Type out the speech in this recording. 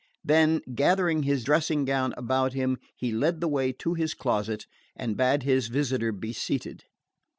Then, gathering his dressing gown about him, he led the way to his closet and bade his visitor be seated.